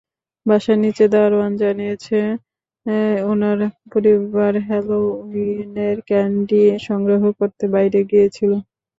বাসার নিচে থাকা দারোয়ান জানিয়েছে, ওনার পরিবার হ্যালোউইনের ক্যান্ডি সংগ্রহ করতে বাইরে গিয়েছিল।